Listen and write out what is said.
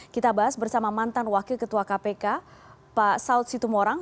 kita bahas bersama mantan wakil ketua kpk pak saud situmorang